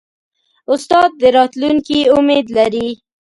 استاد د راتلونکي امید لري.